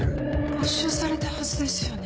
没収されたはずですよね？